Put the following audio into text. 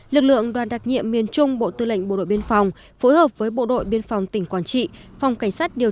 lực lượng đoàn đặc nhiệm miền trung bộ tư lệnh bộ đội biên phòng phối hợp với bộ đội biên phòng tỉnh quảng trị